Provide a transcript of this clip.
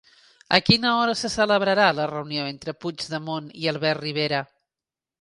A quina hora se celebrarà la reunió entre Puigdemont i Albert Rivera?